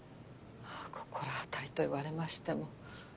心当たりと言われましても。